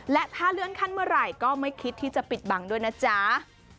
และถ้าเลื่อนขั้นเมื่อไหร่ก็ไม่คิดที่จะปิดบังด้วยนะจ๊ะ